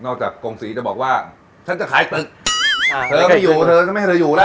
จากกงศรีจะบอกว่าฉันจะขายตึกเธอไม่อยู่กับเธอฉันไม่ให้เธออยู่แล้ว